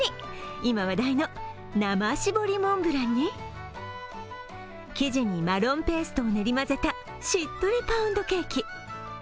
今話題の生絞りモンブランに生地にマロンペーストを練り混ぜた、しっとりパウンドケーキ。